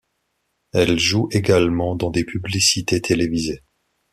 Elle joue également dans des publicités télévisées.